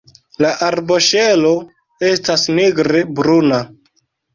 La arboŝelo estas nigre bruna.